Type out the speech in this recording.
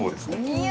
いや！